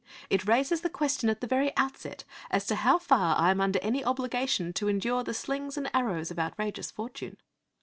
It raises the question at the very outset as to how far I am under any obligation to endure the slings and arrows of outrageous fortune.